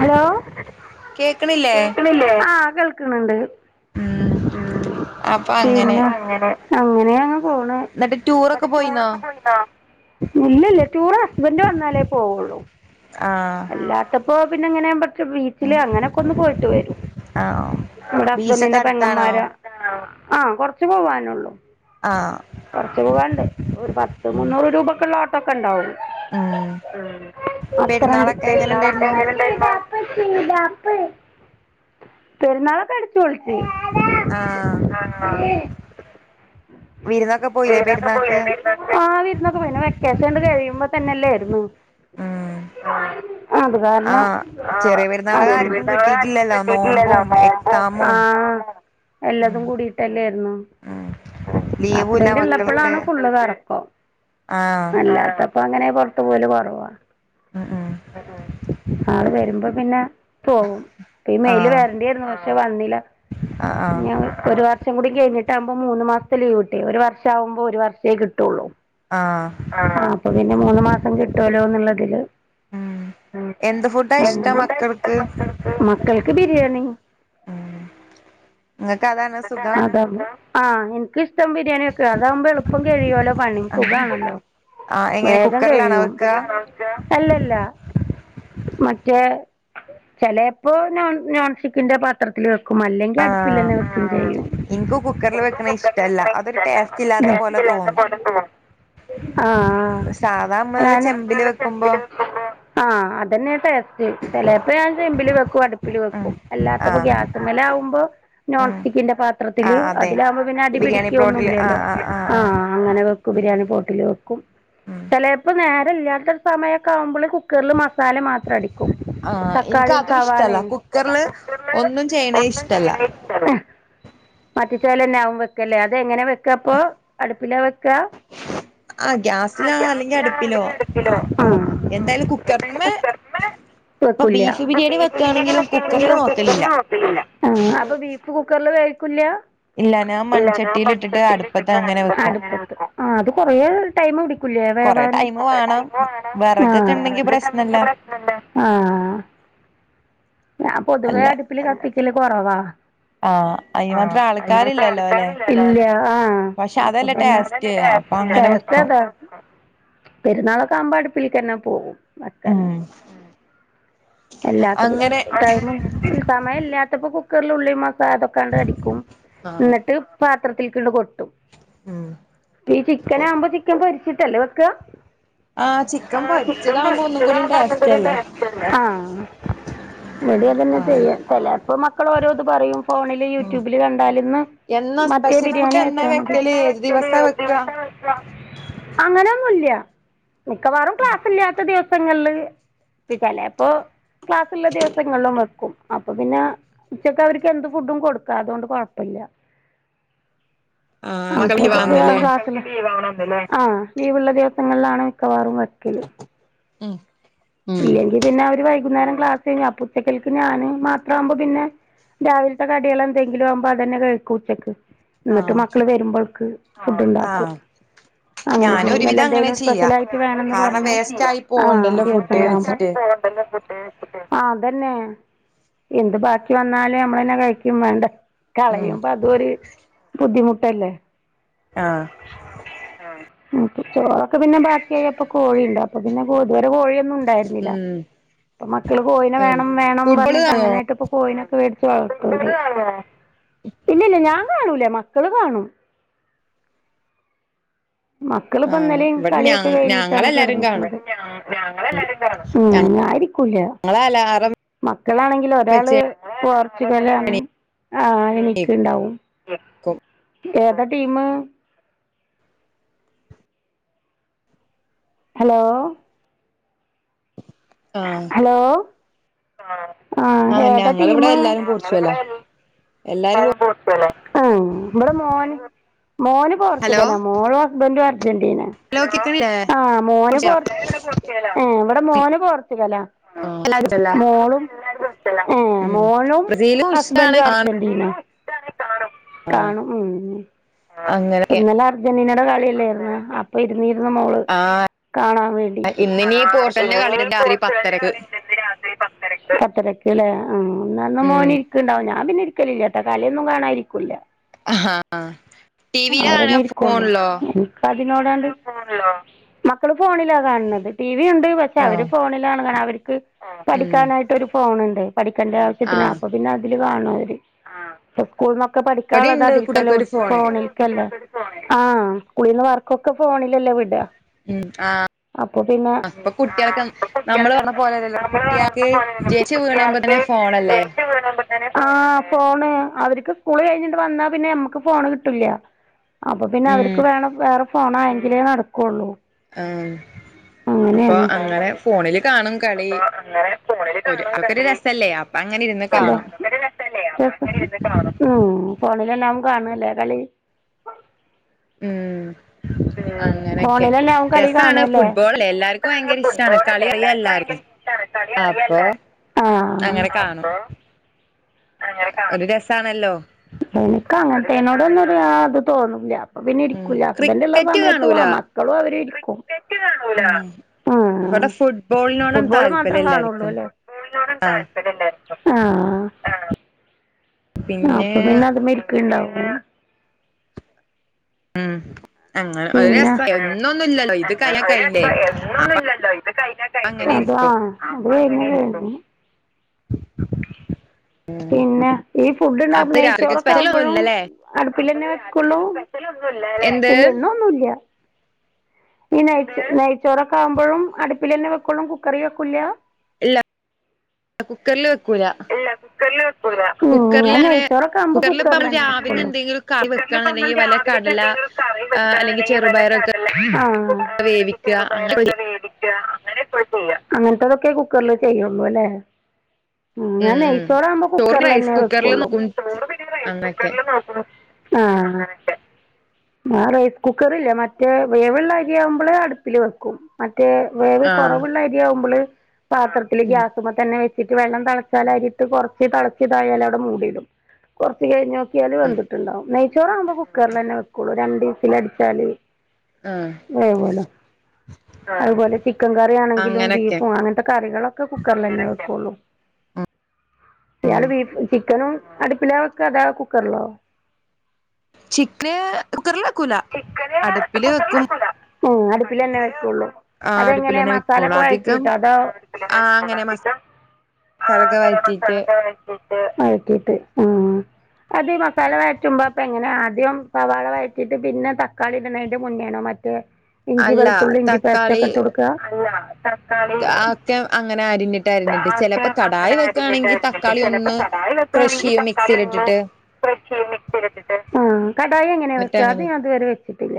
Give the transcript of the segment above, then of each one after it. Hello [unintelligible] കേൾക്ക്ണില്ലേ ആഹ് കേൾക്ക്ണ് ണ്ട് ഉം പിന്നെ [unintelligible] അങ്ങനെ അങ്ങനെയങ്ങ് പോണ് ടൂറൊക്കെ പോയിന്നോ? ഇല്ല്ല്ല ടൂറ് ഹസ്ബന്റ് വന്നാലേ പോവുള്ളൂ അല്ലാത്തപ്പോ പിന്നെങ്ങനെ [unintelligible] ബീച്ചില് അങ്ങനൊക്കെ ഒന്ന് പോയിട്ട് വരും നമ്മടെ ഹസ്ബന്റിന്റെ പെങ്ങമ്മാര് ആ കൊറച്ച് പോവാനുള്ളു കൊറച്ച് പോവാണ്ട്. ഒരു പത്ത് മുന്നൂറ് രൂപക്ക്ള്ള ഓട്ടൊക്കെ ണ്ടാവുള്ളൂ ഉം [unintelligible] പെരുന്നാളൊക്കെ എങ്ങനെണ്ടായിന്നു പെരുന്നാളൊക്കെ അടി പൊളിച് ആ വിരുന്നക്കെ, പോയി. [unintelligible] വിരുന്ന ഒക്കെ പോയി ണ്ട് കഴിയുമ്പോ തന്നെയല്ലയിരുന്ന്. മ്മ് അത്. കാർണം ആ [unintelligible] കിട്ടിട്ടില്ലല്ലോ [unintelligible] ആ എല്ലാതും കൂടിയിട്ടല്ലേയിരുന്ന്. ഹസ്ബന്റ് ഉള്ളപ്പോളാണ് ഫുള്ള് കറക്കം അല്ലാത്ത- പ്പ അങ്ങനെ പൊറത്തു പോവല് കൊറവാ. ആള് വരുമ്പോ പിന്നെ പോകും ഇ മെയില് വേരണ്ടെയിരുന്നു. പക്ഷെ വന്നില്ല. [unintelligible] ഒരു വർഷം കൂടി. കഴിഞ്ഞിട്ടമ്പോ മൂന്ന് മാസത്തെ ലീവ്ട്ടി. ഒരു വർഷ ആമ്പോ ഒരു വർഷേ കിട്ടുള്ളൂ ആ അപ്പൊ പിന്നെ മൂന്ന് മാസം കിട്ടലോന്നുള്ളതില്. ഉം എന്ത് ഫുഡാ ഇഷ്ടം മക്കൾക്ക്. ങ്ങ ങ്ങക്ക് അദ [unintelligible] ആ ഇൻക്ക് ഇത്തം. ബിരിയാണി വക്ക അതാമ്പോ എളുപ്പം കഴിയുവല്ലോ പണി സുഖണല്ലോ വേഗം കഴിയും [unintelligible] അല്ല അല്ല മറ്റേ ചെലെപ്പോ. നോൺ നോൺ സ്റ്റിക്കിന്റെ പാത്രത്തിൽ വെ അല്ലെങ്കിൽ അടുപ്പിൽന്നെ വെ ഇങ്ക് കുക്കറിൽ വെക്കണ ഇഷ്ടല്ല. അതൊരു ടേസ്റ്റ് ഇല്ലാത്ത പോലെ തോന്നു. ആ ആ [unintelligible] അതെന്നെ. ടേസ്റ്റ്, ചെലേപ്പം ഞാൻ ചെമ്പില് വെക്കും അടുപ്പില് വെക്കും അല്ലാത്തപ്പോ ഗ്യാസ് മല ആമ്പോ നോൺ സ്റ്റിക്കിന്റെ പാത്രത്തില് അതിലമ്പോ പിന്നെ അടി പിടിക്ക ഒന്നുംല്ലല്ലോ ആ അങ്ങനെ വെക്കുംബി. ണി പോട്ടില് വെക്കും ചേലെപ്പം, നേരല്ലാത്ത സമയാക്കമ്പോ, കുക്കറിൽ മ സാല മാത്രം അടിക്കും. ആ എങ്ക് അതും ഇഷ്ടല്ല. കുക്കറില് ഒന്നും ചെയ്യണേ ഇഷ്ടല്ല. മറ്റ ചെലന്നൊവും വെക്കല്ലേ അത എങ്ങനെ വെക്കാപ്പൊ അടുപ്പിലാ വെക്കാ? ആ ഗ്യാസിനാണ് എടുക്കല് [unintelligible] കുക്കറിമെ വക്കുല, അപ്പംബീഫ്, ബിരിയാണി [unintelligible] വെക്കുലഅപ്പം ബീഫ്. കുക്കറില്. വേവിക്കുല. ഇല്ല ഞാൻ മൺചട്ടിൽ ഇട്ടിട്ടാണ്. അടുപ്പത്ത് വെക്കും. ആ. അത് കൊറേ ടൈം ടി ക്കുല്ലേ വേവാൻ. കുറെ ടൈമ്. വേണം. [unintelligible] പ്രശ്നല്ല ആ. ഞാ പൊതുവേ അടുപ്പില് കത്തിക്കല് കൊറവാ. ആ [unintelligible] ഇല്ല ആ [unintelligible] അപ്പൊ പി ന്നെ. ടെസ്റ്റ് അത പെരുന്നാളൊക്കെ ആമ്പോ. അടുപ്പിലേക്ക്ന്നെ പോക്കും. [unintelligible] അല്ലാതപ്പംടൈമ്, സമയല്ല. ത്തപ്പോ കുക്കറലുള്ളി മസ അതൊക്കാണ്ട് അടിക്കും. എന്നിട്ട് പാത്രത്തിൽക്ക് കൊ ട്ടും ഈ ചിക്കനമ്പോ ചിക്കൻ പൊരിച്ചിട്ടല്ലേ വെക്ക. ആ ചിക്കം, പൊരിച്ചവുംമ്പ, [unintelligible] ടേസ്റ്റില്ല, ആ [unintelligible] ചെലപോമക്കളൊരോത് പറയും ഫോണില് യൂട്യൂബില് കണ്ടാലന്ന് മറ്റേ ബിരിയാണി വെ [unintelligible] അങ്ങനെയൊന്നുല്ല. മിക്കവാറും ക്ലാസ് ഇല്ലാത്ത ദിവസങ്ങളില് ഇപ്പ ചെലെപ്പോ ക്ലാസ്ള്ള ദിവസങ്ങളിലും വെക്കും അപ്പൊ പിന്നെ ഉച്ചക്ക അവർ ക് എന്ത് ഫുഡും കൊടുക്കാ അതുകൊണ്ട് കൊഴപ്പില്ല ആ [unintelligible] ലീവള്ള ദിവസങ്ങളിലാണ്. ക്കെവാറും വക്കല്. ഇമ് ഇല്ലെങ്കി പിന്നെ, അവര് വൈകുന്നേരം ക്ലാസ് കഴിഞ്ഞു ആ പുച്ചക്കല്ക്ക് ഞാന് മാത്രമാവുമ്പോൾ പിന്നെ രാവിലത്തെ കടികള എന്തെങ്കിലും ആവുമ്പോ അതന്നെ കഴിക്കൂ ഉച്ചക്ക് എന്നിട്ട് മക്കള് വരുമ്പോൾക്ക് ഫുഡ്ണ്ടാക്കും. അങ്ങനൊക്കെ വല്യന്തെലും സ്പെഷ്യൽ ആയിട്ട് വേണന്ന് പറഞ്ഞ് ആ ദിവസ് ഇട്ടേ വെച്ചിട്ട് ആ അതന്നെ, എന്ത് ബാക്കി വന്നാലു നമ്മളന്നെ കഴിക്കും വേണ്ടെ. കളയുമ്പോ അത് ഒരു ബുദ്ധിമുട്ടല്ലേ? ആ [inaudible] മ് ചോറൊക്കെ പിന്നെ ബാക്കിയായപ്പ കോഴിയുണ്ട് അപ്പൊ പിന്നെ [unintelligible] വരെ കോഴിയൊന്നും ണ്ടായിുന്നില്ല. ഇപ്പ മക്കള് കോയിനെ വേണം വേണം പറഞ്ഞിട്ട് അങ്ങനായിട്ട് ഇ കോഴിനെവേടിച് [unintelligible] ഇല്യല്ല്യഞാൻ കാണൂലാ മക്കള് കാണും മക്കളിപ്പോ ഇന്നലിം കളിയൊക്കെ കഴിഞ്ഞിട്ടാണ് കെടന്ന്ക്ണത് ങ്ങള് അലാറം മക്കളാണെങ്കിൽ ഒരാള് പോർച്ചുക്കലാണ് ആഹ എനിക്ക് ഇണ്ടാവും ഏതാ ടീമ്? ഹലോ അലോ ആ ഏതാ ടീമ് [unintelligible] ആ ഇബടെ മോൻ മോന് പോർച്ചുഗലാ മോളും ഹസ്ബന്റും അർ അർജന്റീന ആ മോന് പോർച്! ഏ ഇബടെ മോന് പോർച്ച് [unintelligible] മോളും ഏ മോളും ഹസ്ബൻറും അർജന്റീനാ കാണും. ഉം ഇന്നലെ അർജന്റീന കളിയല്ലേര്ന്ന് അപ്പൊ ഇര്‌ന്നീ [unintelligible] മോള് കാണൻ വേണ്ടിട്ട് തെരക് പത്തരക്ക് ല്ലേ ഉമ് എന്നാന്ന മോന് ഇരിക്കണ്ടാവും നാ നാന് പിന്ന ഇരിക്കലില്ലാട്ടൊ കളിയൊന്നും കാണാരിക്കൂല്ല അവരന്നെ ഇരിക്കൊള്ളൂ എനിക്ക് [unintelligible] മക്കള് ഫോണിലാ കാ ണ്ന്നത് ടിവി ഉണ്ട് പക്ഷെ അവര് ഫോണി [unintelligible] അവർക്ക് പഠിക്കാനായിട്ട് ഫോണ് ഇണ്ട്പഠിക്കണ്ടെ ആവിശ്യത്തിന് അപ്പോ പിന്നെ അതില് ലാണവര് ഇപ്പം സ്കൂൾന്നൊക്കെ പടിക്കാള്ളത് അതിൽക്കല്ലേ! ഫോണിൽക്കല്ലേ ആഹ് സ്കുളീന്ന് വർക്കൊക്കെ ഫോണീ ന്നല്ലേ വിടാഅപ്പൊ പിന്നെ നമ്മള് പർഞ്ഞ പോലെല്ലല്ലോ കുട്ട്യാൾക്ക് ജൻച്ചി വീണുമ്പോ തന്നെ ഫോണല്ലേ? ഫോണ്, അവര്ക്ക് സ്കൂള് കഴിഞ്ഞിണ്ട്‌ വന്നാ പിന്നെ നമ്മക്ക് ഫോണ് കിട്ടുല്ല്യാ. അപ്പൊ പിന്നെ അവര്ക്ക് വേണം വേറെ ഫോണ്ആയെങ്കിലേ നടക്കുള്ളൂ അങ്ങനെയാണ് അപ്പൊ പിന്നെ അങ്ങനെ ഫോണില് കാണും കളി ഉം ഫോണിലെല്ലാം കാണല്ലേ കളി ഉം അങ്ങനൊക്യാ രസാണ് ഫുട്ബോളല്ലേ എല്ലാർക്കും ഭയങ്കര ഇഷ്ട്ടാണ് കളി അറിയാ എല്ലർക്കും അപ്പൊ! അങ്ങനെ കാണും [inaudible] ഒര് രസാണല്ലോ എനിക്കഅങ്ങന്തേനോടൊന്നും യാത് തോന്നൂലാ പിന്നെ ഇരിക്കൂല്ല. ഹസ്ബന്റ് ഉള്ള സമയത്തു മക്കളും അവര് ഇരി ഉംഇവിടെ ഫുട്ബോളിനോടൊന്നും താല്പര്യം എല്ലാരിക്കും [unintelligible] താൽപര്യ എല്ലാർക്കും ആ ആഹ് [inaudible] അപ്പൊ പിന്ന അത് മ്മെഇര്ക്ക്ണ്ടാവും ഉം പിന്ന [unintelligible] ആഹ് അതെങ്ങനെണ് പിന്നെ ഈ ഫുഡ് ഇണ്ടാക് നെയ്ച്ചോറൊക്കെ ആവുമ്പാെഴും അട്പ്പിലന്നെ വെക്കുള്ളൂ ഇല്ല ഇന്ന് ഒന്നുല്ല ഈ നെയ്ച്ച് നെയ്ച്ചോറൊക്കെ ആവുമ്പഴും അടുപ്പിലന്നെ വെക്കാെള്ളൂ കുക്കറീവെക്കൂല ഇല്ല കുക്കർല് വെക്കൂല കുക്കർല്അങ്ങനെ കുക്കർല് പ്പം രാവിലെ എന്തെങ്കിലും കറി വെക്കാന്ന്ണ്ടെങ്കി വല് ല്ല കടല അല്ലെങ്കി ചെറുപയറൊക്കെ വേവിക്ക അങ്ങൻ അങ്ങൻത്തതൊക്കെ കുക്കറില് ചെയ്യാെള്ളൂ ല്ലേ ഉം ഞാൻ നെയ്ച്ചോറാകുമ്പോ കുക്കർലന്നെ വെക്കാെള്ളൂ ആഹ് അങ്ങനക്കെ ആ റൈസ് കുക്കറ്ല്ല മറ്റേ വേവ്ള്ള അരിയാവുമ്പള് അടുപ്പില് വെക്കും മറ്റ് റ്റേ വേവ് കാെറവ്ള്ള അരിയാവുമ്പള് പാത്രത്തില് ഗ്യാസ്മ്മത്തന്നെ വെച്ചിട്ട് വെള്ളം തളച്ച് ച്ചാല്അരിട്ട് കാെറച്ച് തളച്ച്തായാല് അവ്ടെ മൂടിടും കാെർച്ച് കഴിഞ്ഞോക്കിയാൽ വെന്ത്ട്ട്ണ്ടാവും നെയ്ചോറാവുമ്പോ കുക്കർലന്നെ വെക്കാെള്ളൂ രണ്ട് വിസിലട്ച്ചാല് വേവോലോ അതുപോലെ ചിക്കൻ കറി ആണെങ്കിലും ബീഫും അങ്ങൻത്തെ കറികളൊക്കെ കുക്കർലന്നെ വെക്കാെള്ളൂ ഇയാള് ബീഫ് ചിക്കനും അടുപ്പിലാ വെക്കാ അതാ കുക്കർല്ലോ ചിക്ക് കുക്കറ്ല് വെക്കൂല അടുപ്പില് വെക്കും. ഉം അടുപ്പിലെന്നെ വെക്കൊള്ളു. അതെങ്ങനെ മസാല ഒക്കെ വഴറ്റിട്ടോ അതോ. തള [unintelligible] വയറ്റീട്ട് വയറ്റീട്ട് ഉം അത് മസാല വഴറ്റുമ്പാപ്പ ങ്ങനെ ആദ്യം സവാള വഴ റ്റിട്ട് പിന്നെ തക്കാളി ഇട് ണേന്റ മുന്നേണോ മറ്റേ. ഇഞ്ചി വെളുത്തുള്ളി ഇഞ്ചി പേസ്റ്റൊ ക്കെ ഇട്ട് കൊടുക്ക തക്കാ ലാസ്റ്റ് അങ്ങനെ അരുഞ്ഞിട്ട് ആരുഞ്ഞിട്ട് ചെലേപ്പം സധായി വെക്കാണെങ്കിൽ തക്കാളി ഒന്ന് ആഹ് കടായി എങ്ങനെ വെക്ക അത്ഞാ അതുവരെ വെച്ചിട്ടില്ല.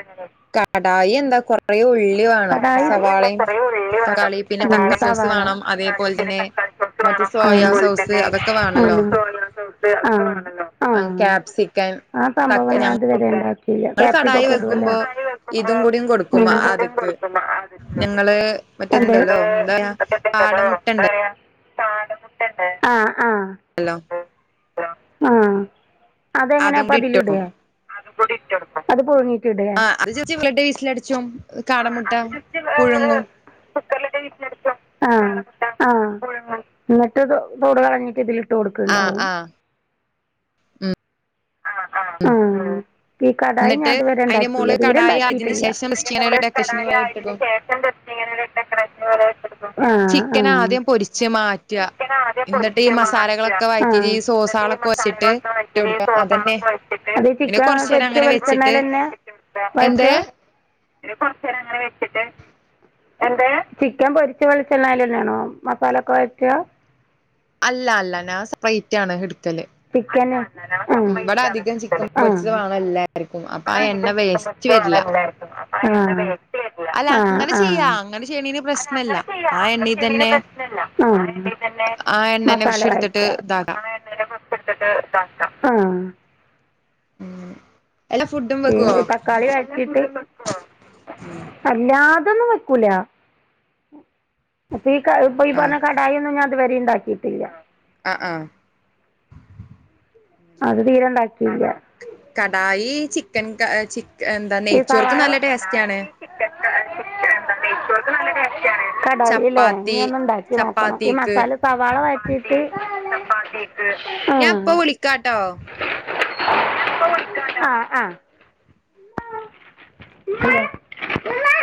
എങ്ങെനെ കടായി എന്താ കൊറേ ഉള്ളി വാണം. സവാളയും തക്കാളിയു പിന്നെ തക്കാസോസ് വാണം. അതേപോൽ തന്നെ. മറ്റ് സോയ സോസ് അതൊക്കെ വേണല്ലോ കാപ്സിക്കൻ. ആഹ് സംഭവം ഞൻ അത് വരെണ്ട ഇങ്ങള് കടായി വെക്കുമ്പോ ഇതും കൂടി കൊടുക്കും അത്ക്ക് ഞങ്ങള് മറ്റേതുണ്ടല്ലോ എന്താ. കാടമുട്ടണ്ട് ആഹ് ആഹ് ആഹ് അതെങ്ങനെയാപ്പ അതില് ഇടെ അത് പുഴി ആഹ് അത് ജസ്റ്റ് [unintelligible] വിസിലടിച്ചും കാടമുട്ട പുഴുങ്ങും ആഹ് ആഹ് ഇന്നിട്ട് തോട് കളഞ്ഞിട്ട് ഇതിൽ ഇടും. ആഹ് ആഹ് ഉം ആ ഈ കടായി ഞാൻ അതുവരെ ഇണ്ടാക്കില്ല തീരെ ഇണ്ടാക്കിട്ടില്ല ആ അതിനന് ശേഷം ജസ്റ്റ് ഇങ്ങനെ ഡെക്കറേഷൻ പോലെ വെ ആഹ് ആഹ് ആദ്യം പൊരിച്ച് മാറ്റ. ഇന്നട്ട് ഈ മസാലകളൊക്കെ [unintelligible] [inaudible] അത് ചിക്കാ പൊരിച്ച വെളിച്ചെണ്ണലന്നെ വഴ്റ്റ്കാ പിന്നെ കൊറച്ചേരം അങ്ങനെ വെച്ചിട്ട് എന്റെ ചിക്കൻ പൊരിച്ച വെളിച്ചേണ്ണേലന്നെയാണോ മസാലക്കെ വഴറ്റുകാ അല്ല അല്ല ഞാ സെപ്പറേറ്റാണ് എ ചിക്കന് [unintelligible] ആ ആ [unintelligible] വേണം എല്ലായിടത്തും ആപ്പാ അങ്ങനെയ് കേൾക്കുല്ല ആ ആ ആന്അങ്ങന ചെയ്യ ചെയ്യിന്ന് പ്രശ്നല്ലആ. തന്നെ മസാല കഴിച്ചോ [unintelligible] ട്ട് ഇത്താക്ക ഹ. പി തക്കാളി വഴറ്റിട്ട് [unintelligible] അല്ലാ അതൊന്നും വെക്കൂല അപ്പൊ ഈ ക അപ്പൊ ഈ പറഞ്ഞ കടായി ഒന്നും ഞാൻ ഇത് വരെ ഇൻണ്ട ക്കിട്ടില്ല. ആ ആ അത് തീരെണ്ടാക്കി. കടായി ചിക്കൻ ക ചിക്കൻ എന്താ നെയ്ച്ചോർക്ക് നല്ല ടേസ്റ്റ് ആണ്. [unintelligible] നെയ്‌ച്ചോർക്ക് നല്ല ടെസ്റ്റ്. ണ് കടായില്ലേ ഇനി ഒന്ന് ഉണ്ടാക്കി നോക്കണം ഈ മസാല സവാള വറ്റിട്ട്. [unintelligible] ഞാൻ ഇപ്പ വിളിക്കാട്ടോ? ഇപ്പ വിളിക്കാട്ടോ ആഹ ആഹ. ഹലോ.